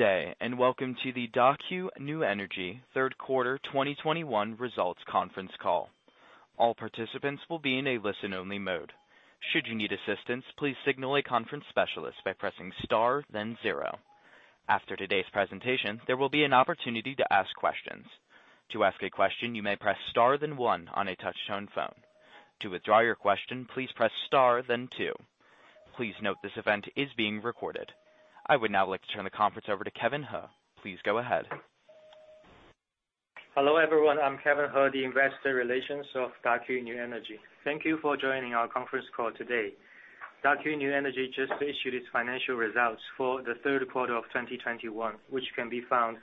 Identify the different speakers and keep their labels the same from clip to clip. Speaker 1: Good day, and welcome to the Daqo New Energy Q3 2021 results conference call. All participants will be in a listen-only mode. Should you need assistance, please signal a conference specialist by pressing star then zero. After today's presentation, there will be an opportunity to ask questions. To ask a question, you may press star then one on a touch-tone phone. To withdraw your question, please press star then two. Please note this event is being recorded. I would now like to turn the conference over to Kevin He. Please go ahead.
Speaker 2: Hello, everyone. I'm Kevin He, the investor relations of Daqo New Energy. Thank you for joining our conference call today. Daqo New Energy just issued its financial results for the third quarter of 2021, which can be found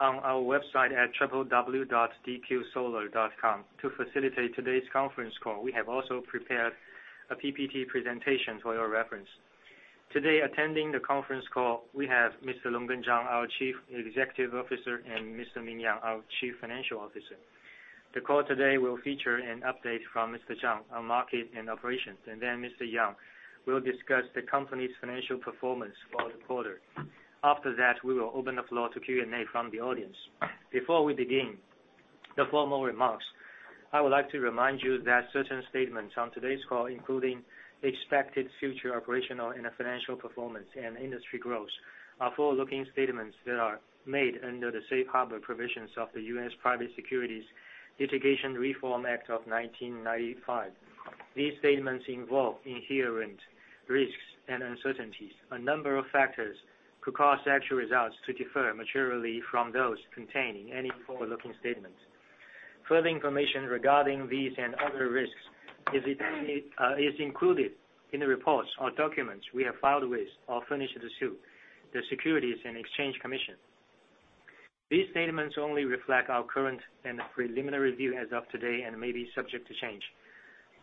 Speaker 2: on our website at www.dqsolar.com. To facilitate today's conference call, we have also prepared a PPT presentation for your reference. Today attending the conference call, we have Mr. Longgen Zhang, our Chief Executive Officer, and Mr. Ming Yang, our Chief Financial Officer. The call today will feature an update from Mr. Zhang on market and operations, and then Mr. Yang will discuss the company's financial performance for the quarter. After that, we will open the floor to Q&A from the audience. Before we begin the formal remarks, I would like to remind you that certain statements on today's call, including expected future operational and financial performance and industry growth, are forward-looking statements that are made under the safe harbor provisions of the US Private Securities Litigation Reform Act of 1995. These statements involve inherent risks and uncertainties. A number of factors could cause actual results to differ materially from those contained in any forward-looking statements. Further information regarding these and other risks is included in the reports or documents we have filed with or furnished to the Securities and Exchange Commission. These statements only reflect our current and preliminary view as of today and may be subject to change.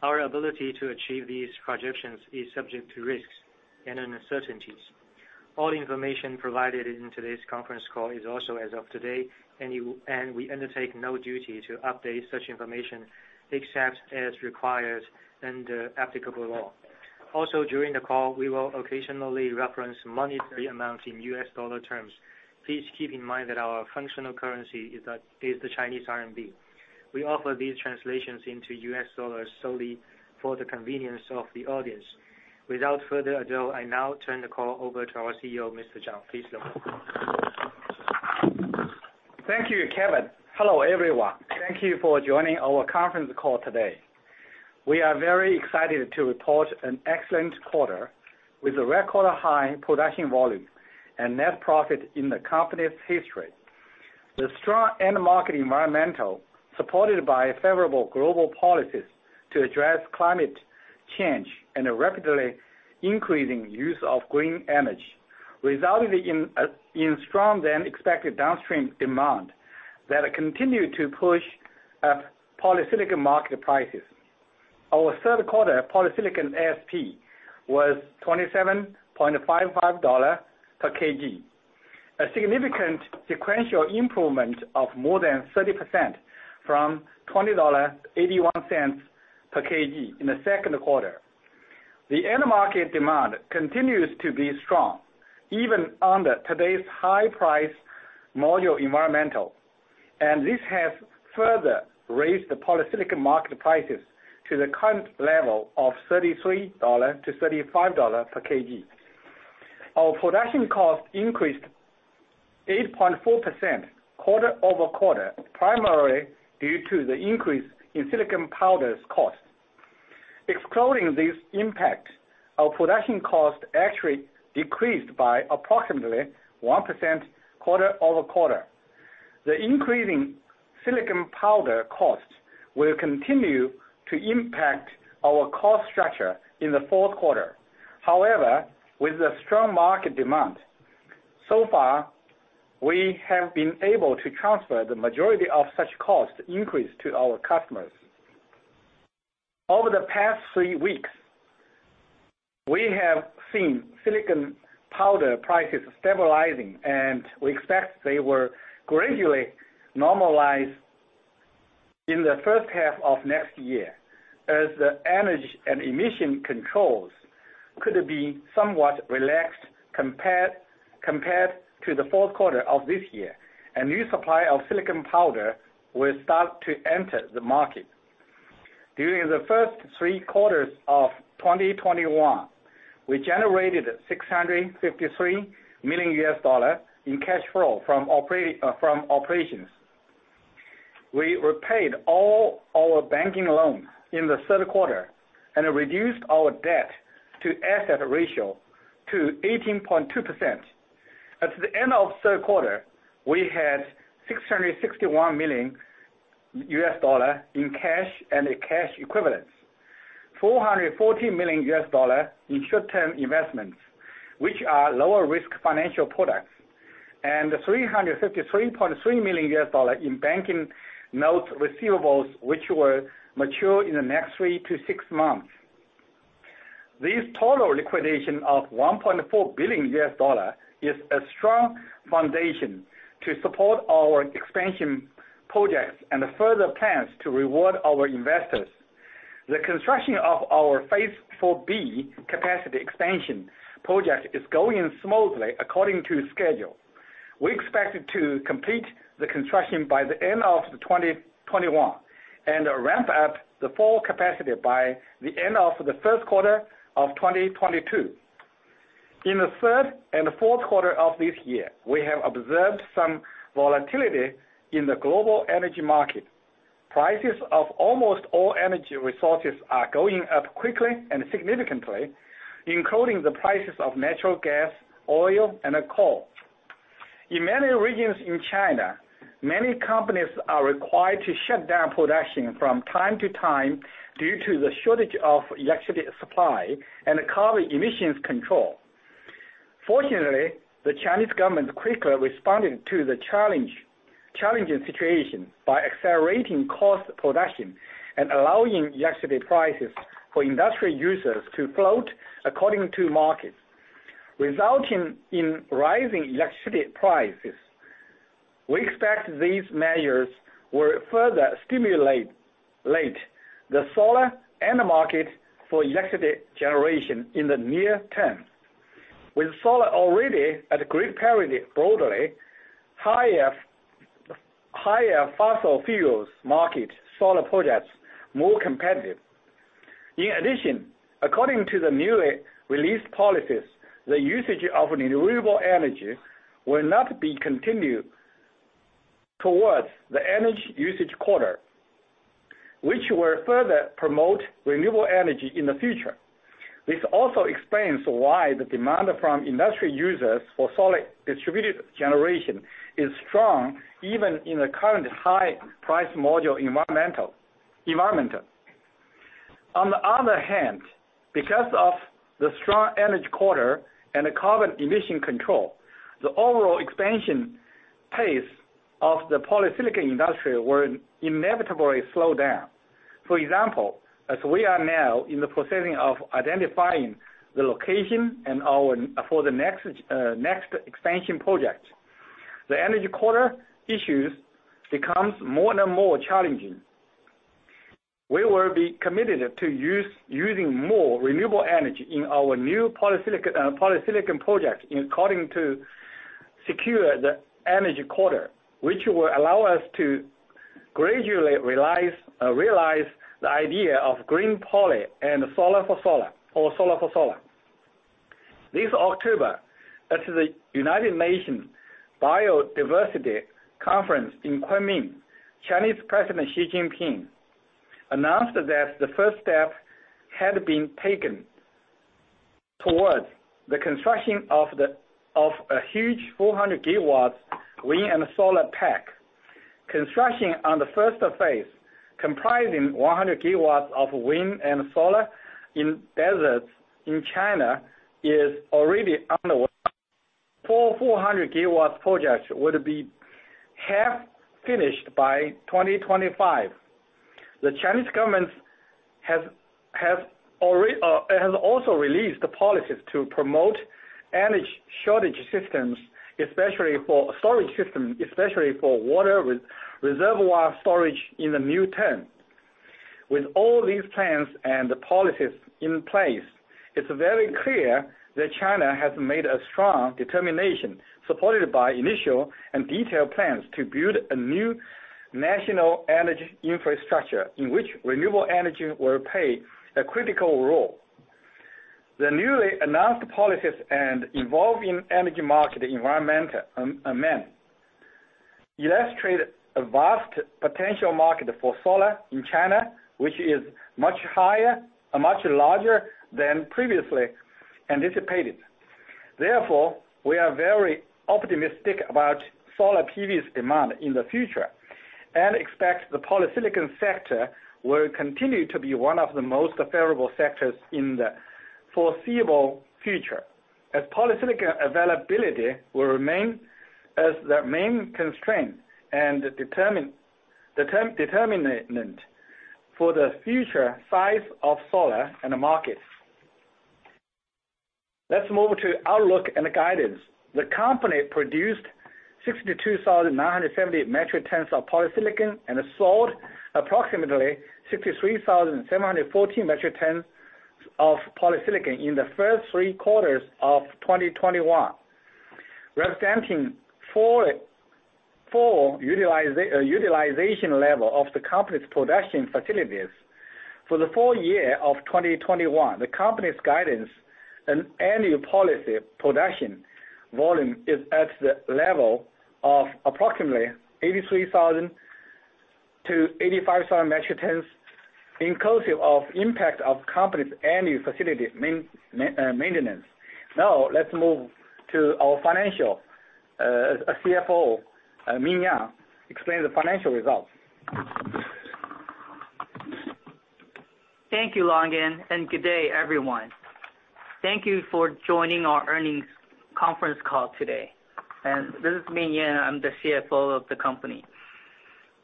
Speaker 2: Our ability to achieve these projections is subject to risks and uncertainties. All information provided in today's conference call is also as of today, and we undertake no duty to update such information except as required under applicable law. Also, during the call, we will occasionally reference monetary amounts in US dollar terms. Please keep in mind that our functional currency is the Chinese RMB. We offer these translations into US dollars solely for the convenience of the audience. Without further ado, I now turn the call over to our CEO, Mr. Zhang. Please go ahead.
Speaker 3: Thank you, Kevin. Hello, everyone. Thank you for joining our conference call today. We are very excited to report an excellent quarter with a record high production volume and net profit in the company's history. The strong end-market environment, supported by favorable global policies to address climate change and a rapidly increasing use of green energy, resulted in strong and expected downstream demand that continues to push polysilicon market prices. Our third quarter polysilicon ASP was $27.55/kg, a significant sequential improvement of more than 30% from $20.81/kg in the second quarter. The end-market demand continues to be strong, even under today's high-price module environment, and this has further raised the polysilicon market prices to the current level of $33-$35/kg. Our production cost increased 8.4% quarter-over-quarter, primarily due to the increase in silicon powder's cost. Excluding this impact, our production cost actually decreased by approximately 1% quarter-over-quarter. The increasing silicon powder cost will continue to impact our cost structure in the fourth quarter. However, with the strong market demand, so far, we have been able to transfer the majority of such cost increase to our customers. Over the past three weeks, we have seen silicon powder prices stabilizing, and we expect they will gradually normalize in the first half of next year as the energy and emission controls could be somewhat relaxed compared to the fourth quarter of this year, and new supply of silicon powder will start to enter the market. During the first three quarters of 2021, we generated $653 million in cash flow from operations. We repaid all our banking loans in the third quarter and reduced our debt-to-asset ratio to 18.2%. At the end of third quarter, we had $661 million in cash and cash equivalents, $440 million in short-term investments, which are lower-risk financial products, and $353.3 million in bank notes receivables, which will mature in the next three to six months. This total liquidity of $1.4 billion is a strong foundation to support our expansion projects and further plans to reward our investors. The construction of our phase IV B capacity expansion project is going smoothly according to schedule. We expect it to complete the construction by the end of 2021, and ramp up the full capacity by the end of the first quarter of 2022. In the third and fourth quarters of this year, we have observed some volatility in the global energy market. Prices of almost all energy resources are going up quickly and significantly, including the prices of natural gas, oil, and coal. In many regions in China, many companies are required to shut down production from time to time due to the shortage of electricity supply and carbon emissions control. Fortunately, the Chinese government quickly responded to the challenging situation by accelerating coal production and allowing electricity prices for industrial users to float according to the market, resulting in rising electricity prices. We expect these measures will further stimulate the solar end market for electricity generation in the near term. With solar already at grid parity globally, higher fossil fuels make solar projects more competitive. In addition, according to the newly released policies, the usage of renewable energy will not be counted towards the energy quota, which will further promote renewable energy in the future. This also explains why the demand from industrial users for solar distributed generation is strong even in the current high-price module environment. On the other hand, because of the strong energy quota and the carbon emission control, the overall expansion pace of the polysilicon industry will inevitably slow down. For example, as we are now in the process of identifying the location for the next expansion project, the energy quota issues become more and more challenging. We will be committed to using more renewable energy in our new polysilicon project in order to secure the energy quota, which will allow us to gradually realize the idea of green poly and solar for solar or solar for solar. This October, at the United Nations Biodiversity Conference in Kunming, Chinese President Xi Jinping announced that the first step had been taken towards the construction of a huge 400 gigawatts wind and solar park. Construction on the phase I, comprising 100 gigawatts of wind and solar in deserts in China, is already underway. 400 gigawatts projects would be half finished by 2025. The Chinese government has already also released policies to promote energy storage systems, especially for storage systems, especially for water reservoir storage in the new term. With all these plans and the policies in place, it's very clear that China has made a strong determination, supported by initial and detailed plans to build a new national energy infrastructure, in which renewable energy will play a critical role. The newly announced policies and evolving energy market environment, and illustrate a vast potential market for solar in China, which is much higher or much larger than previously anticipated. Therefore, we are very optimistic about solar PV's demand in the future, and expect the polysilicon sector will continue to be one of the most favorable sectors in the foreseeable future, as polysilicon availability will remain as the main constraint and determinant for the future size of solar in the market. Let's move to outlook and guidance. The company produced 62,970 metric tons of polysilicon and sold approximately 63,714 metric tons of polysilicon in the first three quarters of 2021, representing 44% utilization level of the company's production facilities. For the full year of 2021, the company's guidance and annual polysilicon production volume is at the level of approximately 83,000-85,000 metric tons, inclusive of impact of company's annual facility maintenance. Now let's move to our financial. Our CFO, Ming Yang, explain the financial results.
Speaker 4: Thank you, Longgen Zhang, and good day, everyone. Thank you for joining our earnings conference call today. This is Ming Yang, I'm the CFO of the company.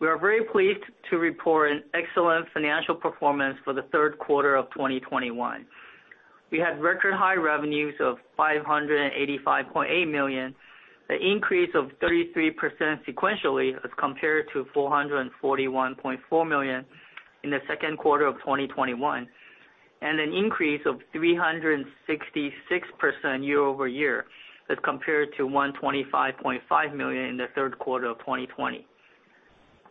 Speaker 4: We are very pleased to report an excellent financial performance for the third quarter of 2021. We had record high revenues of 585.8 million, an increase of 33% sequentially as compared to 441.4 million in the second quarter of 2021, and an increase of 366% year-over-year as compared to 125.5 million in the third quarter of 2020.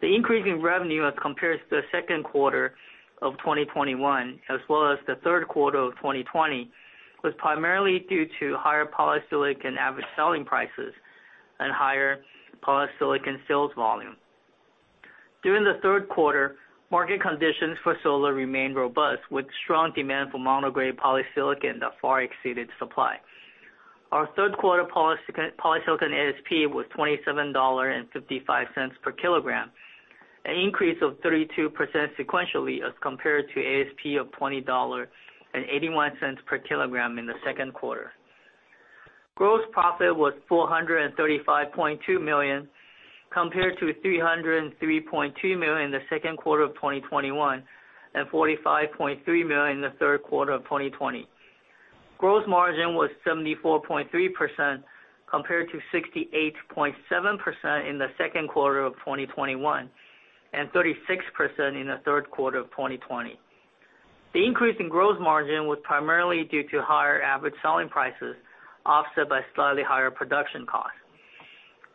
Speaker 4: The increase in revenue as compared to the second quarter of 2021 as well as the third quarter of 2020 was primarily due to higher polysilicon average selling prices and higher polysilicon sales volume. During the third quarter, market conditions for solar remained robust, with strong demand for mono-grade polysilicon that far exceeded supply. Our third quarter polysilicon ASP was $27.55 per kilogram, an increase of 32% sequentially as compared to ASP of $20.81 per kilogram in the second quarter. Gross profit was 435.2 million, compared to 303.2 million in the second quarter of 2021, and 45.3 million in the third quarter of 2020. Gross margin was 74.3% compared to 68.7% in the second quarter of 2021, and 36% in the third quarter of 2020. The increase in gross margin was primarily due to higher average selling prices, offset by slightly higher production costs.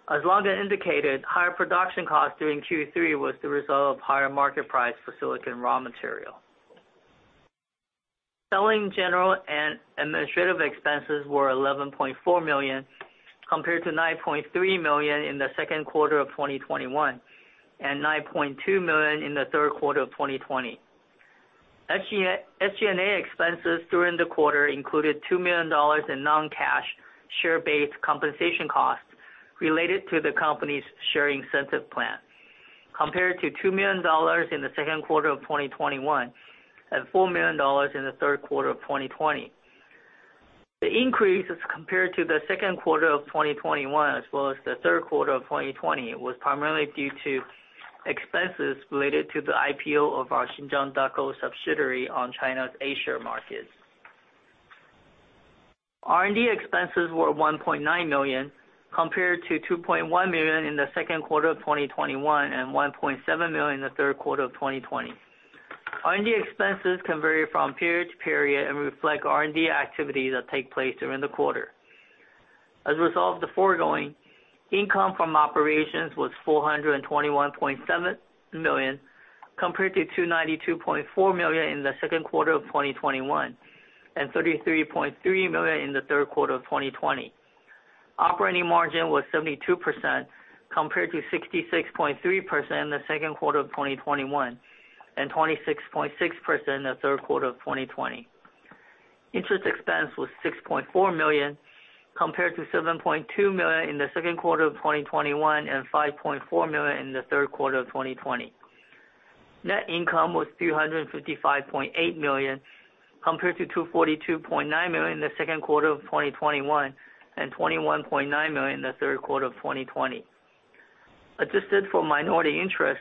Speaker 4: As Longgen Zhang indicated, higher production costs during Q3 were the result of higher market price for silicon raw material. Selling, general, and administrative expenses were $11.4 million, compared to $9.3 million in the second quarter of 2021, and $9.2 million in the third quarter of 2020. SG&A expenses during the quarter included $2 million in non-cash share-based compensation costs related to the company's share incentive plan, compared to $2 million in the second quarter of 2021, and $4 million in the third quarter of 2020. The increase as compared to the second quarter of 2021 as well as the third quarter of 2020 was primarily due to expenses related to the IPO of our Xinjiang Daqo subsidiary on China's A-share market. R&D expenses were 1.9 million, compared to 2.1 million in the second quarter of 2021, and 1.7 million in the third quarter of 2020. R&D expenses can vary from period to period and reflect R&D activities that take place during the quarter. As a result of the foregoing, income from operations was 421.7 million, compared to 292.4 million in the second quarter of 2021, and 33.3 million in the third quarter of 2020. Operating margin was 72%, compared to 66.3% in the second quarter of 2021, and 26.6% in the third quarter of 2020. Interest expense was 6.4 million, compared to 7.2 million in the second quarter of 2021, and 5.4 million in the third quarter of 2020. Net income was 355.8 million, compared to 242.9 million in the second quarter of 2021, and 21.9 million in the third quarter of 2020. Adjusted for minority interest,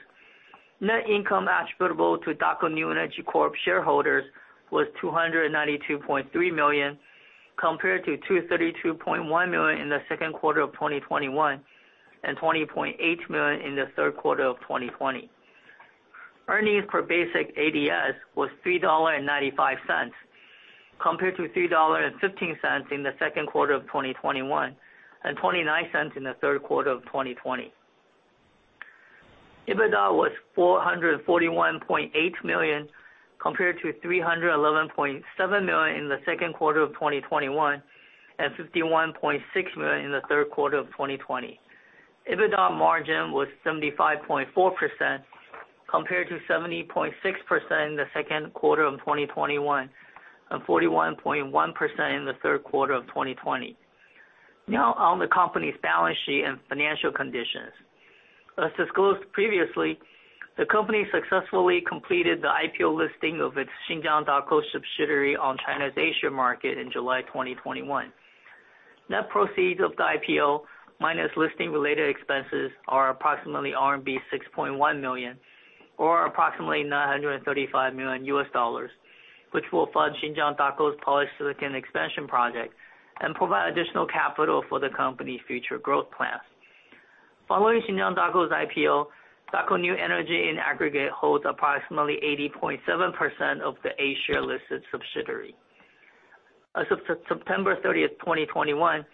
Speaker 4: net income attributable to Daqo New Energy Corp. shareholders was 292.3 million, compared to 232.1 million in the second quarter of 2021, and 20.8 million in the third quarter of 2020. Earnings per basic ADS was $3.95, compared to $3.15 in the second quarter of 2021, and $0.29 in the third quarter of 2020. EBITDA was 441.8 million, compared to 311.7 million in the second quarter of 2021, and 51.6 million in the third quarter of 2020. EBITDA margin was 75.4% compared to 70.6% in the second quarter of 2021, and 41.1% in the third quarter of 2020. Now on the company's balance sheet and financial conditions. As disclosed previously, the company successfully completed the IPO listing of its Xinjiang Daqo subsidiary on China's A-share market in July 2021. Net proceeds of the IPO minus listing-related expenses are approximately RMB 6.1 million or approximately $935 million, which will fund Xinjiang Daqo's polysilicon expansion project and provide additional capital for the company's future growth plans. Following Xinjiang Daqo's IPO, Daqo New Energy in aggregate holds approximately 80.7% of the A-share-listed subsidiary. As of September 30, 2021,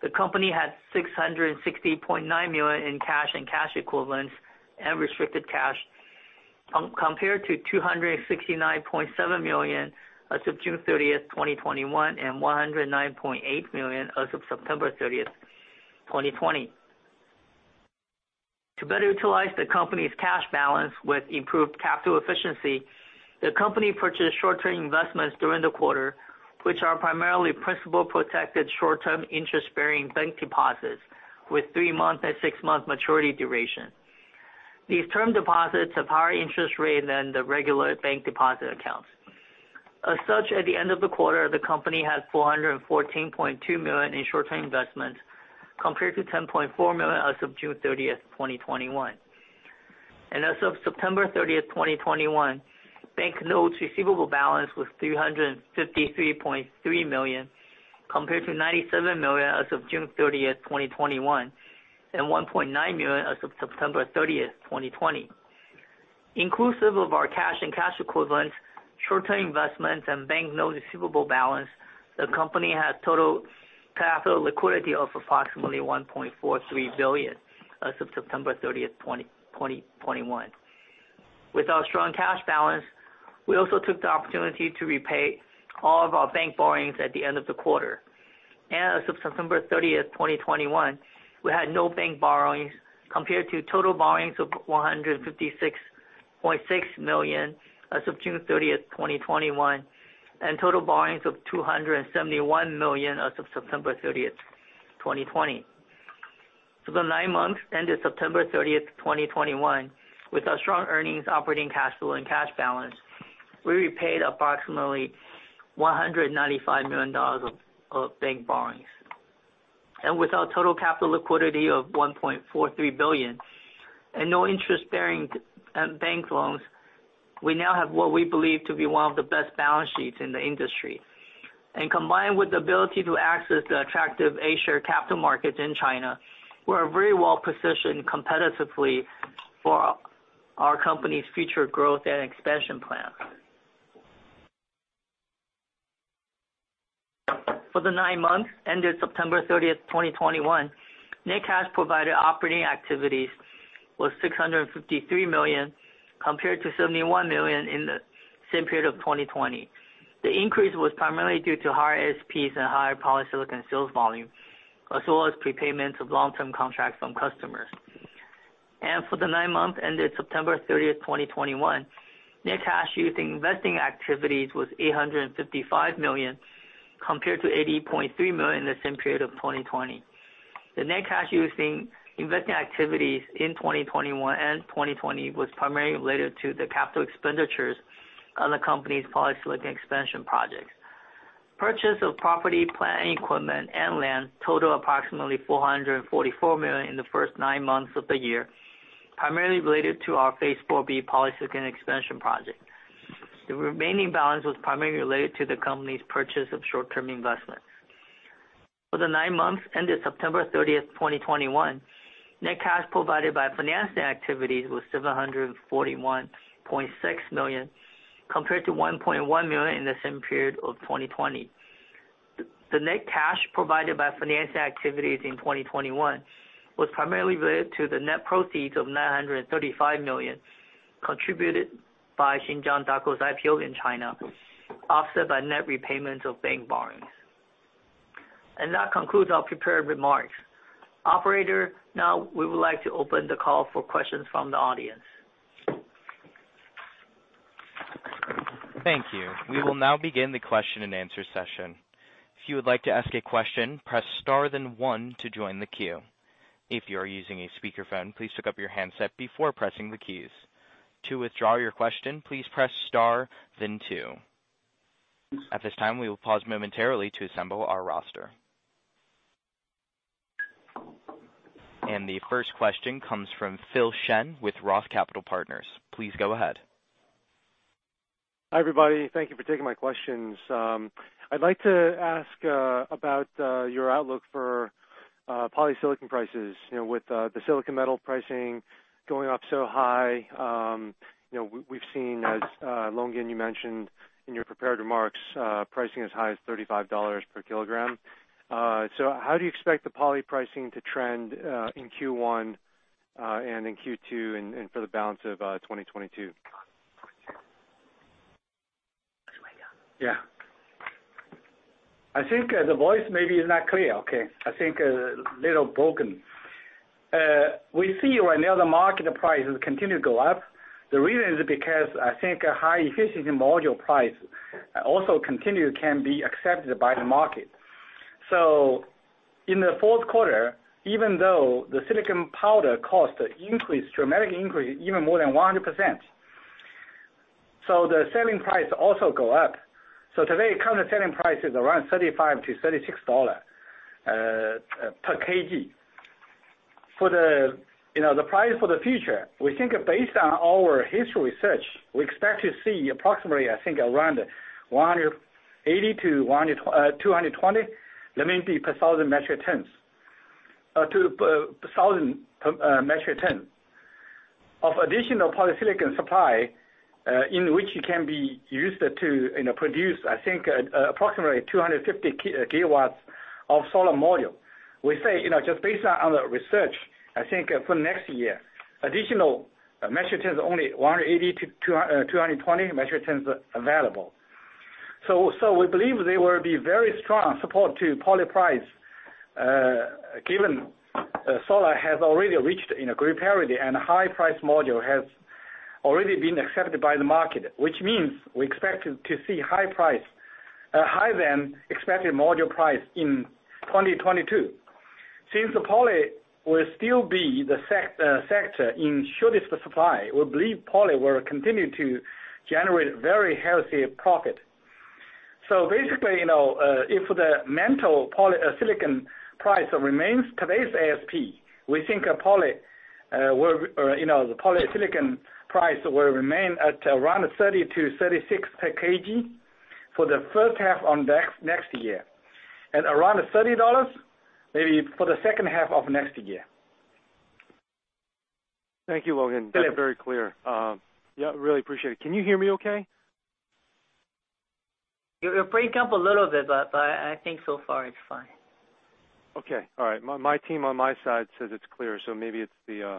Speaker 4: the company had 660.9 million in cash and cash equivalents and restricted cash, compared to 269.7 million as of June 30, 2021, and 109.8 million as of September 30, 2020. To better utilize the company's cash balance with improved capital efficiency, the company purchased short-term investments during the quarter, which are primarily principal-protected short-term interest-bearing bank deposits with 3-month and 6-month maturity duration. These term deposits have higher interest rate than the regular bank deposit accounts. As such, at the end of the quarter, the company had 414.2 million in short-term investments, compared to 10.4 million as of June 30, 2021. As of September 30, 2021, bank notes receivable balance was 353.3 million, compared to 97 million as of June 30, 2021, and 1.9 million as of September 30, 2020. Inclusive of our cash and cash equivalents, short-term investments and bank notes receivable balance, the company has total liquidity of approximately 1.43 billion as of September 30, 2021. With our strong cash balance, we also took the opportunity to repay all of our bank borrowings at the end of the quarter. As of September 30, 2021, we had no bank borrowings compared to total borrowings of $156.6 million as of June 30, 2021, and total borrowings of $271 million as of September 30, 2020. For the nine months ended September 30, 2021, with our strong earnings, operating cash flow and cash balance, we repaid approximately $195 million of bank borrowings. With our total capital liquidity of $1.43 billion and no interest-bearing bank loans, we now have what we believe to be one of the best balance sheets in the industry. Combined with the ability to access the attractive A-share capital markets in China, we're very well-positioned competitively for our company's future growth and expansion plans. For the nine months ended September 30, 2021, net cash provided by operating activities was 653 million, compared to 71 million in the same period of 2020. The increase was primarily due to higher ASPs and higher polysilicon sales volume, as well as prepayments of long-term contracts from customers. For the nine months ended September 30, 2021, net cash used in investing activities was 855 million, compared to 80.3 million in the same period of 2020. The net cash used in investing activities in 2021 and 2020 was primarily related to the capital expenditures on the company's polysilicon expansion projects. Purchase of property, plant, and equipment and land totaled approximately 444 million in the first nine months of the year, primarily related to our phase IV B polysilicon expansion project. The remaining balance was primarily related to the company's purchase of short-term investments. For the nine months ended September 30, 2021, net cash provided by financing activities was 741.6 million, compared to 1.1 million in the same period of 2020. The net cash provided by financing activities in 2021 was primarily related to the net proceeds of 935 million contributed by Xinjiang Daqo's IPO in China, offset by net repayments of bank borrowings. That concludes our prepared remarks. Operator, now we would like to open the call for questions from the audience.
Speaker 1: Thank you. We will now begin the question-and-answer session. If you would like to ask a question, press star then one to join the queue. If you are using a speakerphone, please pick up your handset before pressing the keys. To withdraw your question, please press star then two. At this time, we will pause momentarily to assemble our roster. The first question comes from Philip Shen with ROTH Capital Partners. Please go ahead.
Speaker 5: Hi, everybody. Thank you for taking my questions. I'd like to ask about your outlook for polysilicon prices. You know, with the silicon metal pricing going up so high, you know, we've seen, as Longgen, you mentioned in your prepared remarks, pricing as high as $35 per kilogram. How do you expect the poly pricing to trend in Q1 and in Q2 and for the balance of 2022?
Speaker 3: I think the voice maybe is not clear. Okay. I think a little broken. We see right now the market price has continued to go up. The reason is because I think a high-efficiency module price also continue can be accepted by the market. In the fourth quarter, even though the silicon powder cost increased, dramatically increased, even more than 100%, the selling price also go up. Today, current selling price is around $35-$36 per kg. For the, you know, the price for the future, we think based on our historical research, we expect to see approximately, I think, around 180-220 per thousand metric tons. Two per 1,000 metric tons of additional polysilicon supply, in which it can be used to, you know, produce, I think, approximately 250 GW of solar module. We say, you know, just based on our research, I think for next year, additional metric tons, only 180-220 metric tons available. We believe they will be very strong support to poly price, given solar has already reached grid parity and high price module has already been accepted by the market, which means we expect to see higher than expected module price in 2022. Since the poly will still be the sector in shortest supply, we believe poly will continue to generate very healthy profit. Basically, you know, if the metallurgical-grade silicon price remains today's ASP, we think the polysilicon price will remain at around $30-$36 per kg for the first half of next year, and around $30 maybe for the second half of next year.
Speaker 5: Thank you, Longgen.
Speaker 3: Philip.
Speaker 5: That's very clear. Yeah, really appreciate it. Can you hear me okay?
Speaker 4: You break up a little bit, but I think so far it's fine.
Speaker 5: Okay. All right. My team on my side says it's clear, so maybe it's the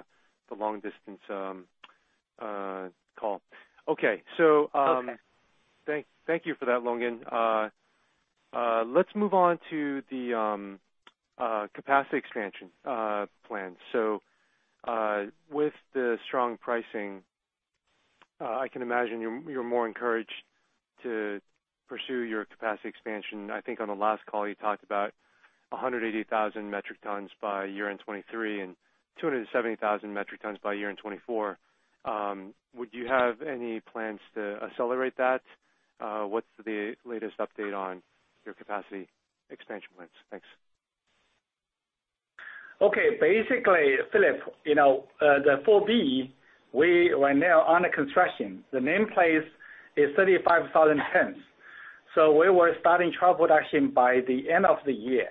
Speaker 5: long distance call. Okay.
Speaker 4: Okay.
Speaker 5: Thank you for that, Longgen Zhang. Let's move on to the capacity expansion plan. With the strong pricing, I can imagine you're more encouraged to pursue your capacity expansion. I think on the last call, you talked about 180,000 metric tons by year-end 2023 and 270,000 metric tons by year-end 2024. Would you have any plans to accelerate that? What's the latest update on your capacity expansion plans? Thanks.
Speaker 3: Okay. Basically, Philip, you know, the phase IV B, we are now under construction. The main phase is 35,000 tons. We will starting trial production by the end of the year.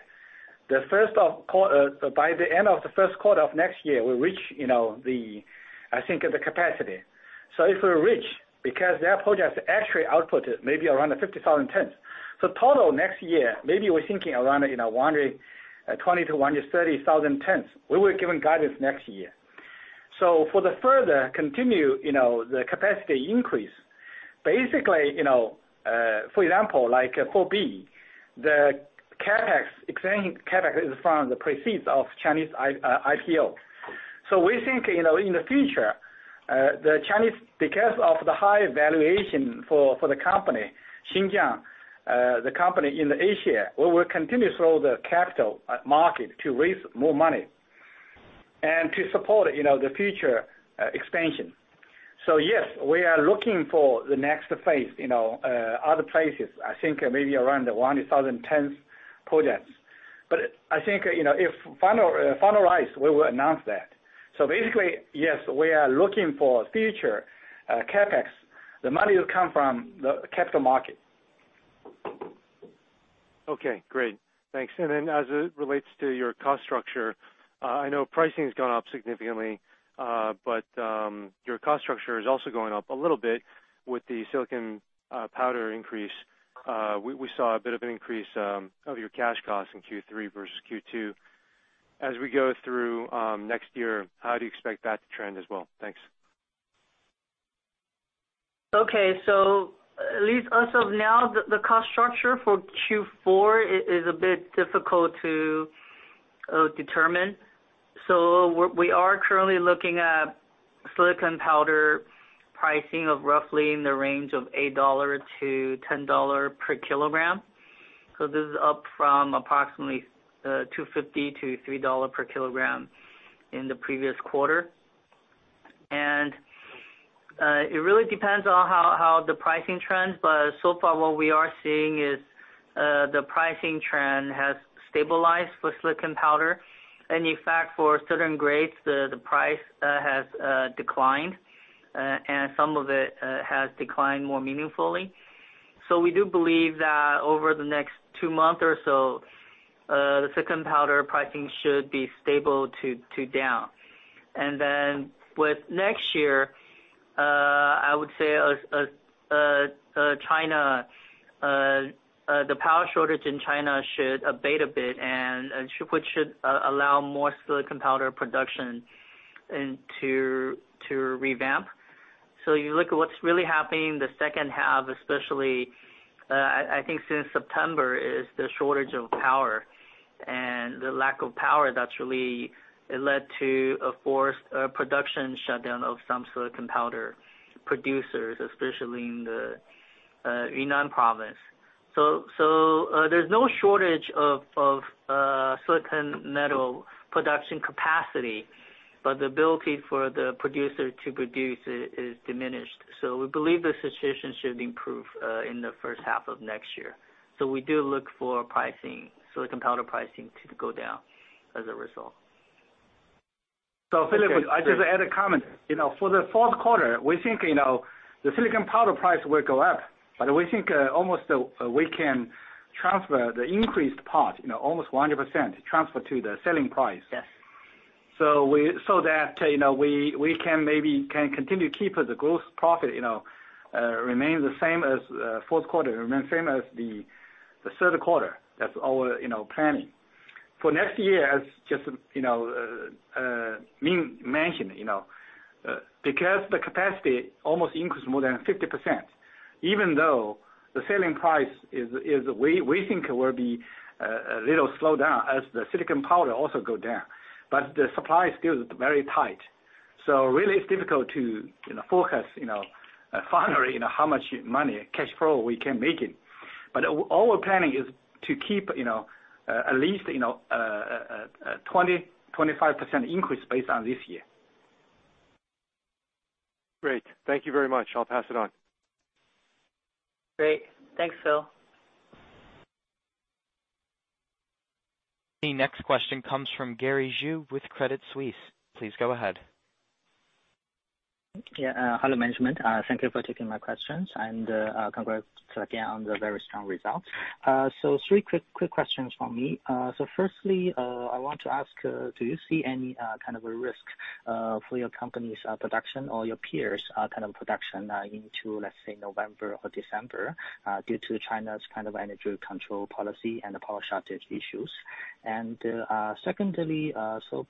Speaker 3: By the end of the first quarter of next year, we'll reach, you know, the, I think, the capacity. If we reach, because that project actually output is maybe around 50,000 tons. Total next year, maybe we're thinking around, you know, 120,000-130,000 tons. We will giving guidance next year. For the further continue, you know, the capacity increase, basically, you know, for example, like phase IV B, the CapEx, expanding CapEx is from the proceeds of Chinese IPO. We think, you know, in the future, the Chinese, because of the high valuation for the company, Xinjiang, the company in Asia, we will continue through all the capital market to raise more money and to support, you know, the future expansion. Yes, we are looking for the next phase, you know, other places, I think maybe around the 1,000 tons projects. I think, you know, if finalized, we will announce that. Basically, yes, we are looking for future CapEx. The money will come from the capital market.
Speaker 5: Okay, great. Thanks. As it relates to your cost structure, I know pricing's gone up significantly, but your cost structure is also going up a little bit with the silicon powder increase. We saw a bit of an increase of your cash costs in Q3 versus Q2. As we go through next year, how do you expect that to trend as well? Thanks.
Speaker 4: Okay. At least as of now, the cost structure for Q4 is a bit difficult to determine. We are currently looking at silicon powder pricing of roughly in the range of $8-$10 per kilogram. This is up from approximately $2.50-$3 per kilogram in the previous quarter. It really depends on how the pricing trends, but so far what we are seeing is the pricing trend has stabilized for silicon powder. In fact, for certain grades the price has declined, and some of it has declined more meaningfully. We do believe that over the next two months or so, the silicon powder pricing should be stable to down. With next year, I would say as the power shortage in China should abate a bit, which should allow more silicon metal production and to ramp up. You look at what's really happening the second half especially, I think since September, the shortage of power and the lack of power that's really led to a forced production shutdown of some silicon metal producers, especially in the Yunnan Province. There's no shortage of silicon metal production capacity, but the ability for the producer to produce it is diminished. We believe the situation should improve in the first half of next year. We do look for pricing, silicon metal pricing to go down as a result.
Speaker 3: Philip, I just add a comment. You know, for the fourth quarter, we think, you know, the silicon powder price will go up, but we think, almost, we can transfer the increased part, you know, almost 100% transfer to the selling price.
Speaker 4: Yes.
Speaker 3: We can maybe continue keep the gross profit, you know, remain the same as fourth quarter, remain same as the third quarter. That's our, you know, planning. For next year, as Ming mentioned, you know, because the capacity almost increased more than 50%, even though the selling price, we think, will be a little slowed down as the silicon powder also go down. But the supply is still very tight. Really it's difficult to, you know, forecast, you know, finally, you know, how much money, cash flow we can make it. But our planning is to keep, you know, at least, you know, 20%-25% increase based on this year.
Speaker 5: Great. Thank you very much. I'll pass it on.
Speaker 4: Great. Thanks, Phil.
Speaker 1: The next question comes from Gary Zhou with Credit Suisse. Please go ahead.
Speaker 6: Yeah. Hello, management. Thank you for taking my questions and, congrats again on the very strong results. Three quick questions from me. Firstly, I want to ask, do you see any kind of a risk for your company's production or your peers' kind of production into, let's say, November or December due to China's kind of energy control policy and the power shortage issues? Secondly,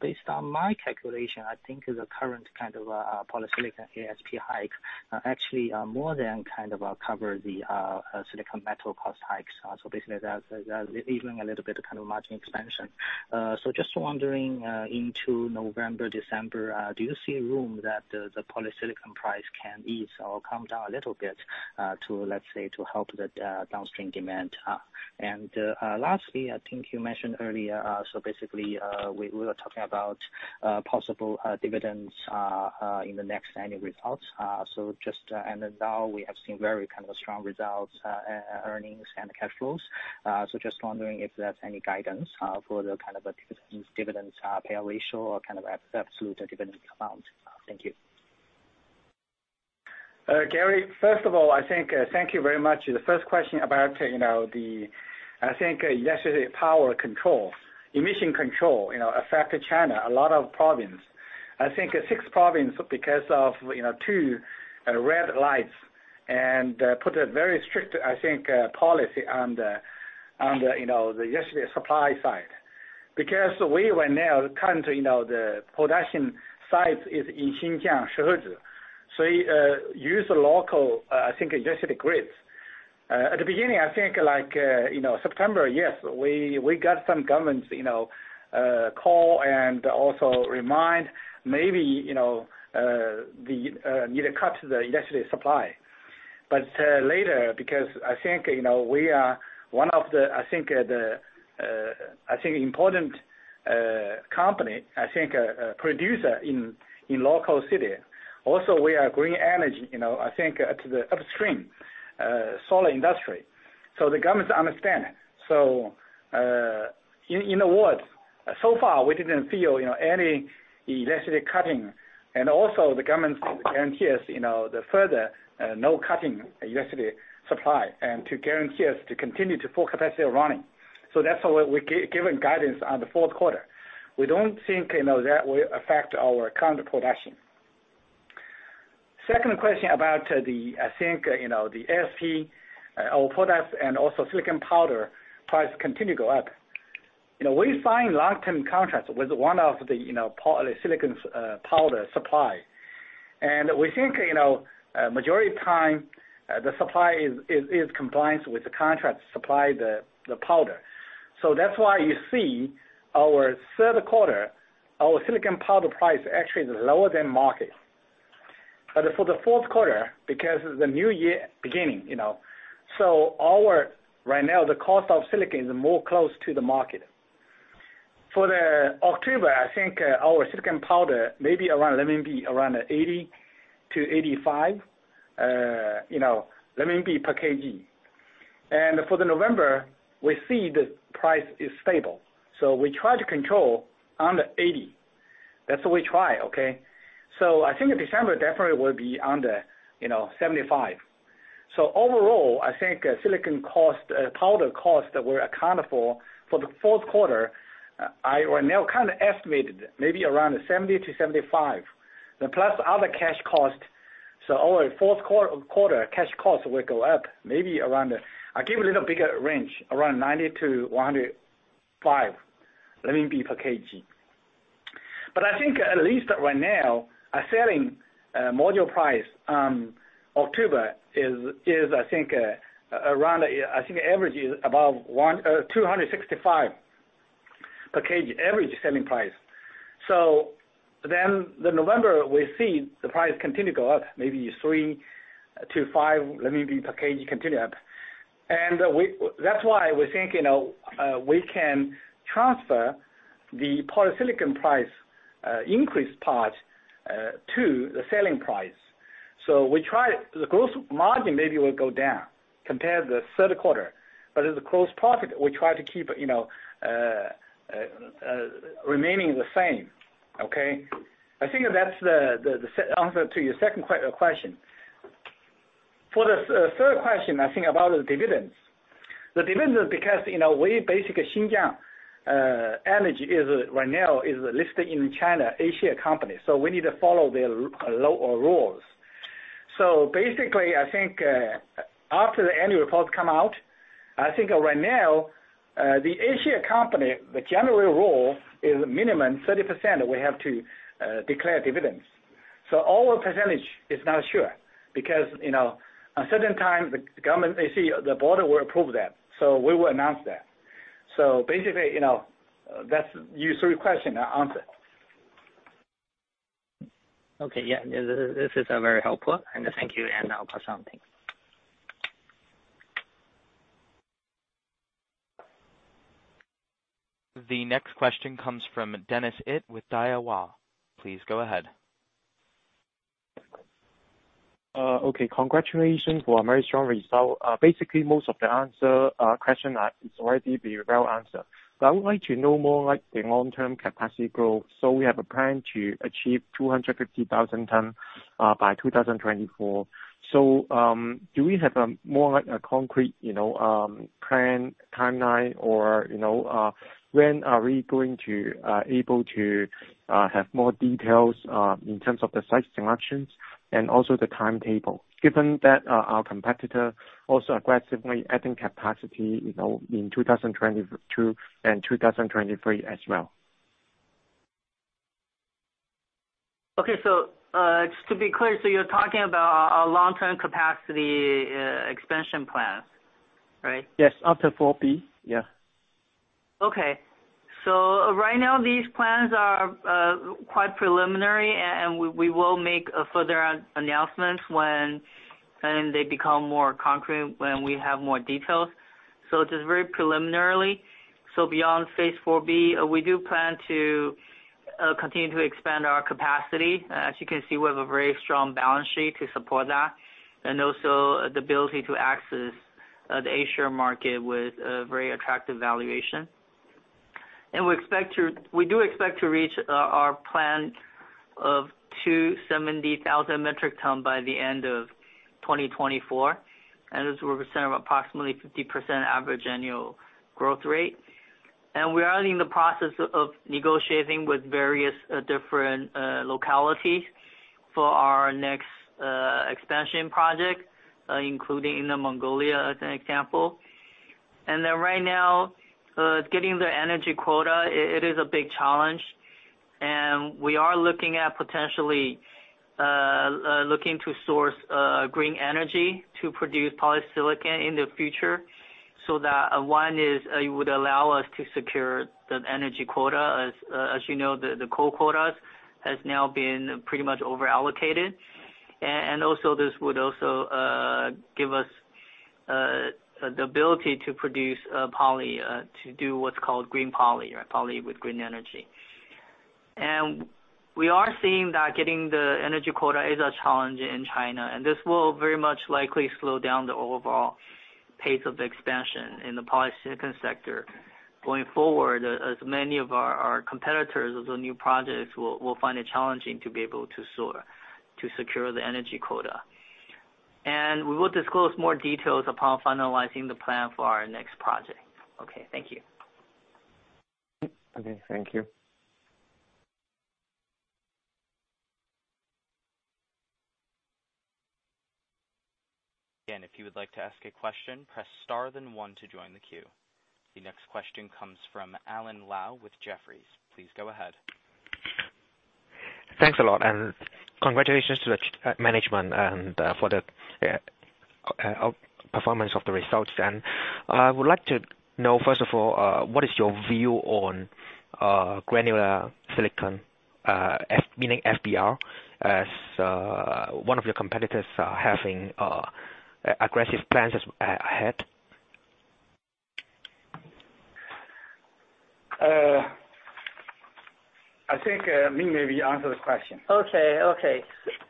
Speaker 6: based on my calculation, I think the current kind of polysilicon ASP hike actually more than kind of cover the silicon metal cost hikes. Basically there's even a little bit of kind of margin expansion. Just wondering, into November, December, do you see room that the polysilicon price can ease or come down a little bit, to let's say, to help the downstream demand? Lastly, I think you mentioned earlier, so basically, we were talking about possible dividends in the next annual results. Just and then now we have seen very kind of strong results, earnings and cash flows. Just wondering if there's any guidance for the kind of a dividends payout ratio or kind of a absolute dividend amount. Thank you.
Speaker 3: Gary, first of all, I think thank you very much. The first question about, you know, the I think energy power control, emission control, you know, affected a lot of provinces in China. I think six provinces because of, you know, two red lines and put a very strict, I think, policy on the energy supply side. Because the production site is in Xinjiang Shihezi. So, use local energy grids. At the beginning, I think, like, you know, September, yes, we got some government calls and also remind maybe, you know, the need to cut the energy supply. Later because I think, you know, we are one of the, I think, important company, I think, producer in local city. Also we are growing energy, you know, I think to the upstream solar industry. The governments understand. In a word, so far we didn't feel, you know, any energy cutting. Also the governments guarantee us, you know, the further no cutting energy supply and to guarantee us to continue to full capacity running. That's why we're giving guidance on the fourth quarter. We don't think, you know, that will affect our current production. Second question about the, I think, you know, the ASP, our products and also silicon powder price continue go up. You know, we sign long-term contracts with one of the, you know, the silicon powder supply. We think, you know, majority of time, the supply is compliance with the contract supply the powder. That's why you see our third quarter, our silicon powder price actually is lower than market. For the fourth quarter, because of the new year beginning, you know, right now the cost of silicon is more close to the market. For October, I think, our silicon powder may be around 80-85, you know, RMB per kg. For November, we see the price is stable, so we try to control under 80. That's what we try, okay? I think December definitely will be under 75. Overall, I think silicon cost, powder costs that we're accountable for the fourth quarter, I right now kind of estimate it maybe around 70-75 per kg. Plus other cash cost, so our fourth quarter cash costs will go up maybe around I give a little bigger range, around 90-105 per kg. But I think at least right now our selling module price October is I think around I think average is above 265 per kg, average selling price. The November we see the price continue go up, maybe 3-5 per kg continue up. That's why we think, you know, we can transfer the polysilicon price increase part to the selling price. We try, the gross margin maybe will go down compared the third quarter, but as a gross profit, we try to keep, you know, remaining the same. Okay? I think that's the answer to your second question. For the third question, I think about the dividends. The dividends, because you know, we basically Xinjiang Daqo is right now listed in China A-share company, so we need to follow their law or rules. Basically I think, after the annual reports come out, I think right now, the A-share company, the general rule is minimum 30% we have to declare dividends. Our percentage is not sure because, you know, a certain time the government, you see, the board will approve that. We will announce that. Basically, you know, that's your third question answer.
Speaker 6: Okay. Yeah. This is very helpful. Thank you. I'll pass on. Thanks.
Speaker 1: The next question comes from Dennis Ip with Daiwa. Please go ahead.
Speaker 7: Okay, congratulations for a very strong result. Basically most of the answers, questions have already been well answered. I would like to know more like the long-term capacity growth. We have a plan to achieve 250,000 tons by 2024. Do we have more like a concrete, you know, plan, timeline or, you know, when are we going to be able to have more details in terms of the site selections and also the timetable, given that our competitors are also aggressively adding capacity, you know, in 2022 and 2023 as well?
Speaker 4: Okay, just to be clear, so you're talking about our long-term capacity expansion plans, right?
Speaker 7: Yes. After phase IV B. Yeah.
Speaker 4: Okay. Right now these plans are quite preliminary and we will make a further announcement when they become more concrete, when we have more details. It is very preliminary. Beyond phase IV B, we do plan to continue to expand our capacity. As you can see, we have a very strong balance sheet to support that, and also the ability to access the A-share market with a very attractive valuation. We do expect to reach our plan of 270,000 metric tons by the end of 2024. This will represent approximately 50% average annual growth rate. We are in the process of negotiating with various different localities for our next expansion project, including in Inner Mongolia as an example. Right now, getting the energy quota, it is a big challenge and we are looking to source green energy to produce polysilicon in the future. That one is, it would allow us to secure the energy quota. As you know, the coal quotas has now been pretty much over-allocated. Also this would also give us the ability to produce poly to do what's called green poly, right? Poly with green energy. We are seeing that getting the energy quota is a challenge in China, and this will very much likely slow down the overall pace of expansion in the polysilicon sector going forward, as many of our competitors with new projects will find it challenging to secure the energy quota. We will disclose more details upon finalizing the plan for our next project. Okay. Thank you.
Speaker 7: Okay. Thank you.
Speaker 1: Again, if you would like to ask a question, press star then one to join the queue. The next question comes from Alan Lau with Jefferies. Please go ahead.
Speaker 8: Thanks a lot, and congratulations to the management and for the performance of the results. I would like to know, first of all, what is your view on granular silicon, meaning FBR, as one of your competitors are having aggressive plans ahead?
Speaker 3: I think, Ming maybe answer this question.
Speaker 4: Okay,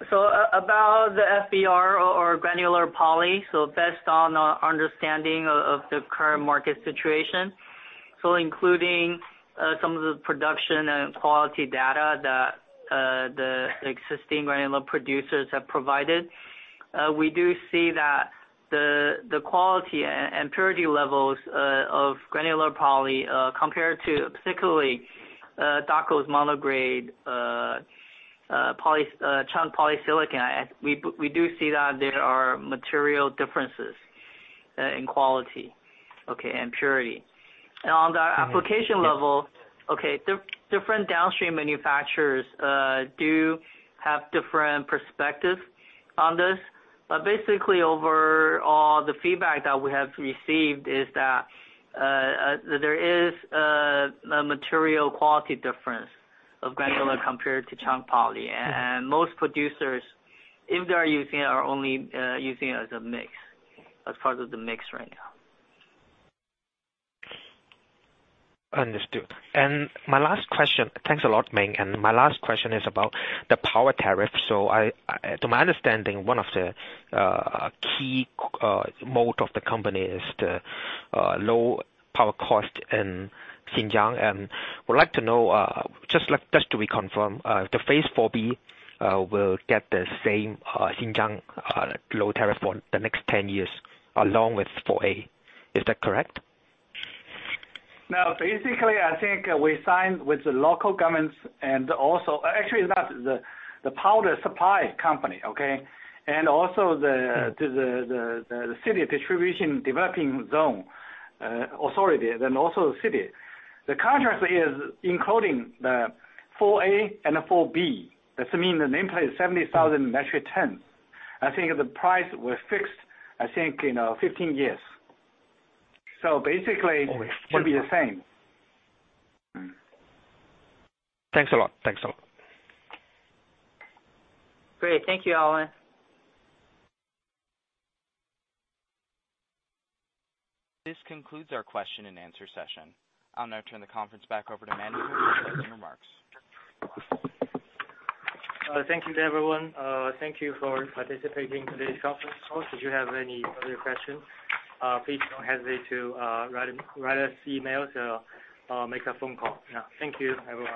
Speaker 4: about the FBR or granular poly, based on our understanding of the current market situation, including some of the production and quality data that the existing granular producers have provided, we do see that the quality and purity levels of granular poly compared to particularly Daqo's mono-grade poly, chunk poly. We do see that there are material differences in quality, okay, and purity. On the application level, okay, the different downstream manufacturers do have different perspectives on this. But basically overall the feedback that we have received is that there is a material quality difference of granular compared to chunk poly. Most producers, if they are using, are only using it as a mix, as part of the mix right now.
Speaker 8: Understood. My last question. Thanks a lot, Ming. My last question is about the power tariff. To my understanding, one of the key moat of the company is the low power cost in Xinjiang. I would like to know, just like, just to reconfirm, the phase IV B will get the same Xinjiang low tariff for the next 10 years along with phase IV A. Is that correct?
Speaker 3: Now, basically, I think we signed with the local governments and also. Actually, that's the power supply company, okay? And also the city distribution developing zone authority and also the city. The contract is including the phase IV A and the phase IV B. That mean the nameplate is 70,000 metric ton. I think the price was fixed, I think, you know, 15 years. Basically it should be the same.
Speaker 8: Thanks a lot.
Speaker 4: Great. Thank you, Alan.
Speaker 1: This concludes our question and answer session. I'll now turn the conference back over to Kevin for any closing remarks.
Speaker 2: Thank you to everyone. Thank you for participating in today's conference call. If you have any further questions, please don't hesitate to write us email to make a phone call. Yeah. Thank you, everyone.